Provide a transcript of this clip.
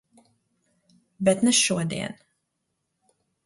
Bet ne šodien...